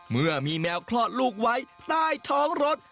เมื่อมีแมวคลอดลูกไว้ใต้ท้องรถ